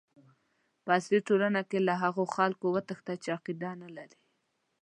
په عصري ټولنه کې له هغو خلکو وتښته چې عقیده نه لري.